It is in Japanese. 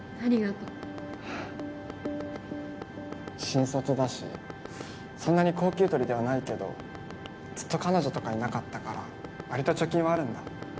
新卒だしそんなに高給取りではないけどずっと彼女とかいなかったから割と貯金はあるんだ。